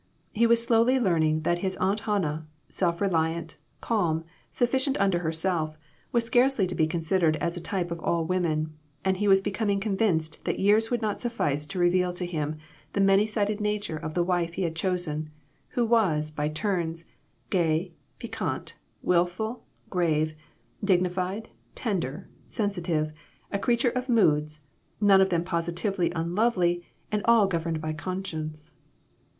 He was slowly learning that his Aunt Hannah, self reliant, calm, suffi cient unto herself, was scarcely to be considered as a type of all women, and he was becoming con vinced that years would not suffice to reveal to him the many sided nature of the wife he had chosen, who was, by turns, gay, piquant, willful, grave, dignified, tender, sensitive, a creature of moods, none of them positively unlovely, and all governed by conscience.